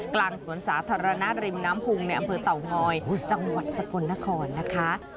กลางสวนสาธารณะริมน้ำพุงในอำเภอเต่างอยจังหวัดสกลนครนะคะ